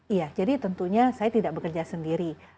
iya jadi tentunya saya tidak bekerja sendiri